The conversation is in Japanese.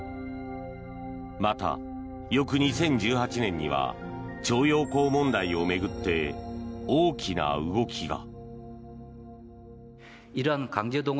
また、翌２０１８年には徴用工問題を巡って大きな動きが。